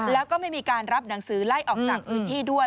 แล้วก็ไม่มีการรับหนังสือไล่ออกจากพื้นที่ด้วย